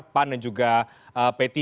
pan dan juga p tiga